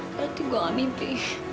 berarti gua nggak mimpi